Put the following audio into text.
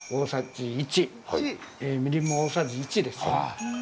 ごまが大さじ１みりんも大さじ１ですね。